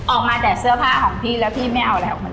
ออกมาแต่เสื้อผ้าของพี่แล้วพี่ไม่เอาอะไรออกมาเลย